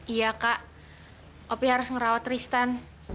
iya kak opi harus ngerawat tristan